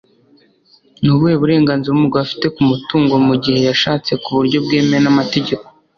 ni ubuhe burenganzira umugore afite ku mutungo mu gihe yashatse mu buryo bwemewe n'amategeko